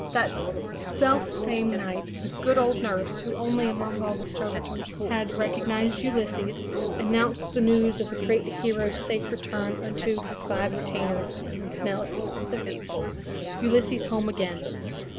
That self same night, the good old nurse, who only among all the servitors had recognised Ulysses, announced the news of that great hero's safe return unto his glad retainers and Penelope, the faithful. Ulysses home again